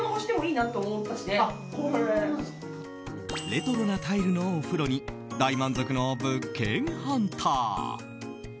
レトロなタイルのお風呂に大満足の物件ハンター。